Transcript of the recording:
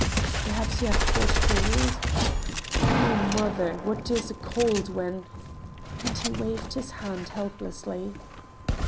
"Perhaps you have caught cold?" "Oh, mother what is a cold, when—" and he waved his hand helplessly.